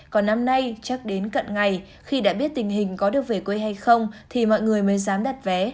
còn năm nay chắc đến cận ngày khi đã biết tình hình có được về quê hay không thì mọi người mới dám đặt vé